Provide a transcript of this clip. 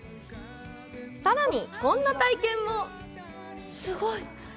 さらに、こんな体験もすごい。